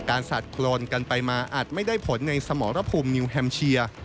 สัดโครนกันไปมาอาจไม่ได้ผลในสมรภูมินิวแฮมเชีย